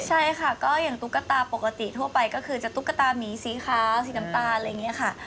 ใช่ค่ะก็อย่างตุ๊กตาปกติทั่วไปก็คือจะตุ๊กตามีสีขาวสีน้ำตาลอะไรอย่างนี้ค่ะ